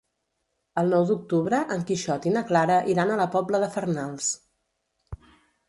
El nou d'octubre en Quixot i na Clara iran a la Pobla de Farnals.